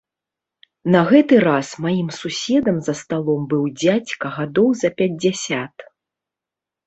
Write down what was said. На гэты раз маім суседам за сталом быў дзядзька гадоў за пяцьдзясят.